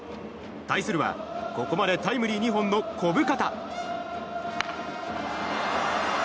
対するは、ここまでタイムリー２本の小深田。